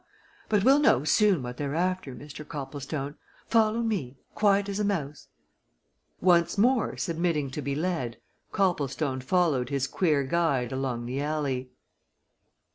But we'll soon know what they're after, Mr. Copplestone. Follow me quiet as a mouse." Once more submitting to be led, Copplestone followed his queer guide along the alley.